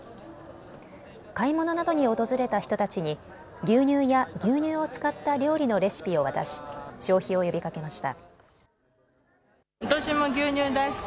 買い物などに訪れた人たちに牛乳や牛乳を使った料理のレシピを渡し消費を呼びかけました。